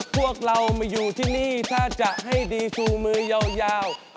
พวกเรามาอยู่ที่นี่ถ้าจะให้ดีฟูมือยาว